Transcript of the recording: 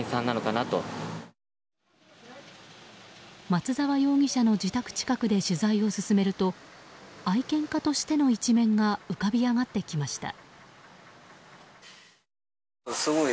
松沢容疑者の自宅近くで取材を進めると愛犬家としての一面が浮かび上がってきました。